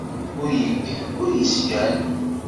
Ur yeggan ur yesgan.